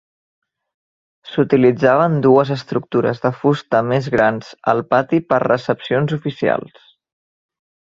S'utilitzaven dues estructures de fusta més grans al pati per recepcions oficials.